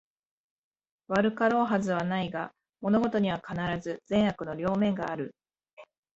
悪かろうはずはないが、物事には必ず善悪の両面がある